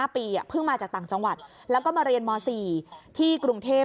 ๕ปีเพิ่งมาจากต่างจังหวัดแล้วก็มาเรียนม๔ที่กรุงเทพ